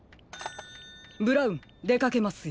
ブラウンでかけますよ。